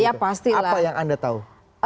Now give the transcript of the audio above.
apa yang anda tahu